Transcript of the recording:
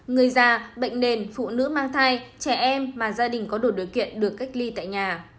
người già bệnh nền phụ nữ mang thai trẻ em mà gia đình có đủ điều kiện được cách ly tại nhà